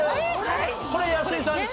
これ安井さん家？